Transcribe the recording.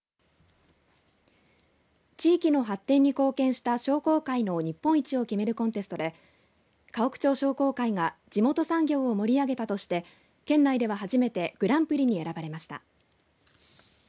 地域の発展に貢献した商工会の日本一を決めるコンテストで河北町商工会が地元産業を盛り上げたとして県内では初めてグランプリに選ばれました。